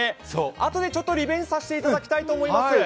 あとでちょっとリベンジさせていただきたいと思います。